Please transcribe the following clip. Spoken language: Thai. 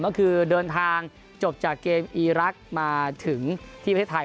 ก็คือเดินทางจบจากเกมอีรักษ์มาถึงที่ประเทศไทย